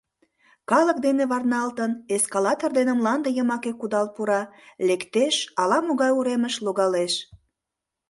Калык дене варналтын, эскалатор дене мланде йымаке кудал пура, лектеш, ала-могай уремыш логалеш.